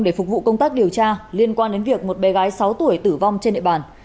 để phục vụ công tác điều tra liên quan đến việc một bé gái sáu tuổi tử vong trên địa bàn